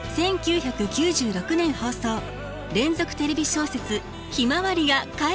１９９６年放送連続テレビ小説「ひまわり」が帰ってくる。